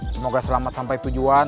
semoga selamat sampai tujuan